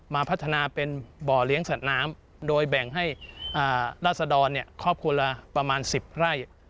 มาพัฒนาเป็นบ่อเลี้ยงสัตว์น้ำโดยแบ่งให้ราศดรครอบครัวละประมาณ๑๐ไร่